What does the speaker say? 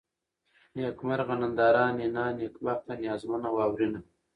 نېکمرغه ، ننداره ، نينه ، نېکبخته ، نيازمنه ، واورېنه